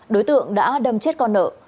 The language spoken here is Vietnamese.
đối tượng đã đâm chết con nợ